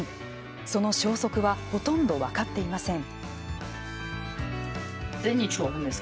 その消息はほとんど分かっていません。